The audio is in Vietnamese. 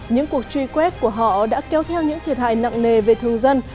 những cuộc truy quét của họ đã kéo theo những thiệt hại nặng nề về thương dân